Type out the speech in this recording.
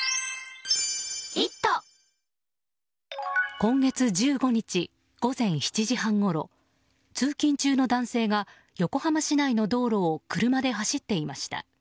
今月１５日午前７時半ごろ通勤中の男性が横浜市内の道路を車で走っていました。